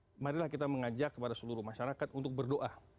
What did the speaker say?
dan kemudian adalah kita mengajak kepada seluruh masyarakat untuk berdoa